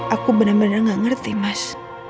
aku bener bener gak ngerti mas